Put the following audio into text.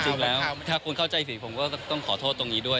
จริงแล้วถ้าคุณเข้าใจผิดผมก็ต้องขอโทษตรงนี้ด้วย